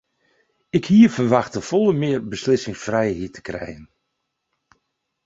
Ik hie ferwachte folle mear beslissingsfrijheid te krijen.